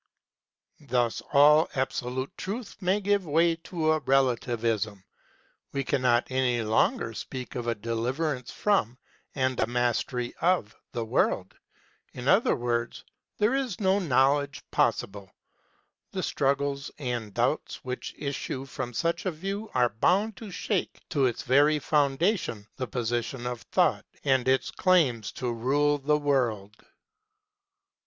Thus all ab solute truth must give way to a relativism; we cannot any longer speak of a deliverance from, and a mastery of, the world; in other words, there is no Knowledge possible. The 52 KNOWLEDGE AND LIFE struggles and doubts which issue from such a view are bound to shake to its very founda tion the position of Thought and its claims to rule the world.